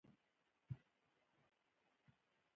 ژبې د افغان کلتور سره نږدې تړاو لري.